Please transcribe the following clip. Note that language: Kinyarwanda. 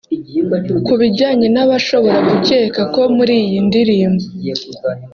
Ku bijyanye n’abashobora gukeka ko muri iyi ndirimbo